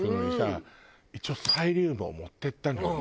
一応サイリウムを持っていったのよ。